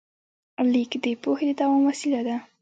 لیک د پوهې د دوام وسیله شوه.